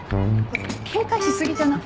警戒し過ぎじゃない？